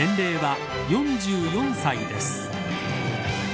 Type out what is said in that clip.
年齢は４４歳です。